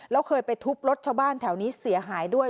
แล้วเคยไปทุบรถชาวบ้านแถวนี้เสียหายด้วย